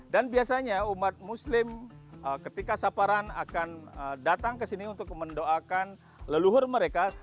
dan biasanya umat muslim ketika saparan akan datang ke sini untuk mendoakan leluhur mereka